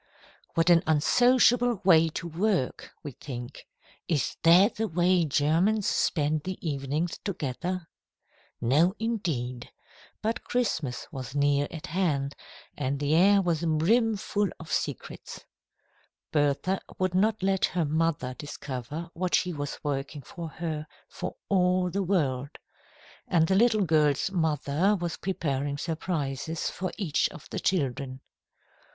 "What an unsociable way to work," we think. "Is that the way Germans spend the evenings together?" No, indeed. But Christmas was near at hand, and the air was brimful of secrets. Bertha would not let her mother discover what she was working for her, for all the world. And the little girl's mother was preparing surprises for each of the children.